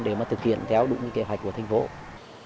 để mà thực hiện theo đúng kế hoạch của thanh ủy